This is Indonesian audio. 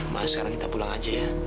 maaf sekarang kita pulang aja ya